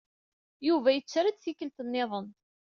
Yuba yetter-d tikkelt niḍen.